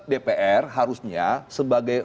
dpr harusnya sebagai